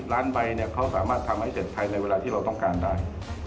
ล้านใบเนี่ยเขาสามารถทำให้เสร็จภายในเวลาที่เราต้องการได้